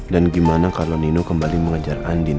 dan gimana kalau nino kembali mengejar andin